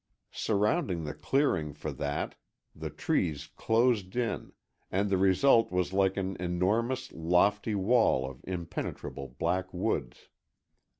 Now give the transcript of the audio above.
Surrounding the clearing for that, the trees closed in, and the result was like an enormous, lofty wall of impenetrable black woods.